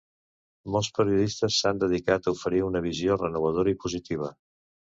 Molts periodistes s'han dedicat a oferir una visió renovadora i positiva.